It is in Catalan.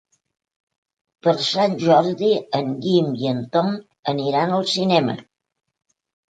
Per Sant Jordi en Guim i en Tom aniran al cinema.